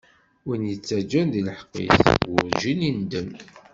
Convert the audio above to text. Win ittaǧǧan di leḥqq-is, werǧin indem.